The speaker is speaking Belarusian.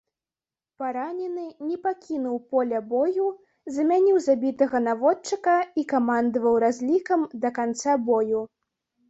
Паранены, не пакінуў поля бою, замяніў забітага наводчыка і камандаваў разлікам да канца бою.